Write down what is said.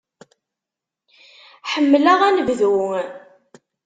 Ḥemmleɣ anebdu.